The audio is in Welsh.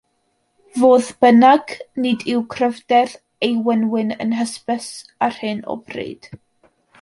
Fodd bynnag, nid yw cryfder ei wenwyn yn hysbys ar hyn o bryd.